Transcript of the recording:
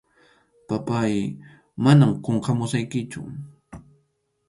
Papáy, manam qunqamusaykichu.